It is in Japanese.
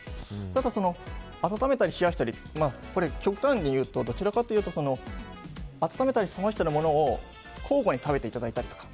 あとは、温めたり冷やしたり極端に言うとどちらかというと温めたり冷ましたりのものを交互に食べていただいたりとか